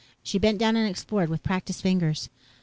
She bent down and explored with practiced fingers.